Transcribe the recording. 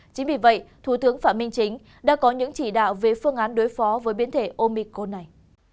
chính vì vậy thủ tướng phạm minh chính đã có những chỉ đạo về phương án đối phó với biến thể omico này